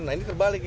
nah ini terbalik